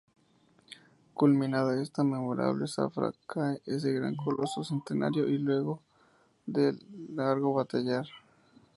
Culminada esta memorable Zafra, cae ese gran coloso centenario luego de un largo batallar.